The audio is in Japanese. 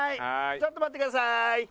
ちょっと待ってくださーい。